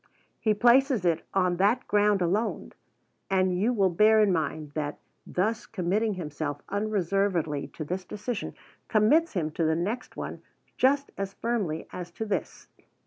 He places it on that ground alone, and you will bear in mind that thus committing himself unreservedly to this decision commits him to the next one just as firmly as to this.